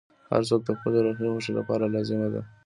• هر څوک د خپل روحي خوښۍ لپاره لازمه ده.